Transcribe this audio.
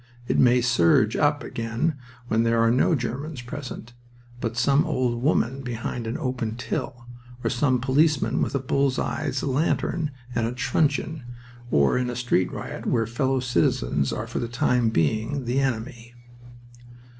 It may surge up again when there are no Germans present, but some old woman behind an open till, or some policeman with a bull's eye lantern and a truncheon, or in a street riot where fellow citizens are for the time being "the enemy."